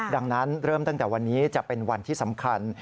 ดังนั้นเริ่มตั้งแต่วันนี้จะเป็นวันที่สำคัญ